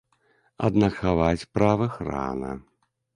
Аднак хаваць правых рана.